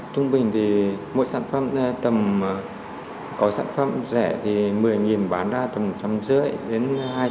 trung bình thì mỗi sản phẩm tầm có sản phẩm rẻ thì một mươi bán ra tầm một trăm năm mươi đến hai trăm linh